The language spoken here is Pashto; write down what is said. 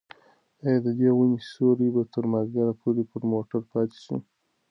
ایا د دې ونې سیوری به تر مازدیګره پورې پر موټر پاتې شي؟